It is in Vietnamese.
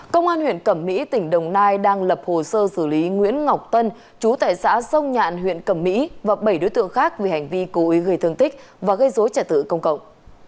công an huyện cẩm mỹ tỉnh đồng nai đang lập hồ sơ xử lý nguyễn ngọc tân chú tại xã sông nhạn huyện cẩm mỹ và bảy đối tượng khác vì hành vi cố ý gây thương tích và gây dối trả tự công cộng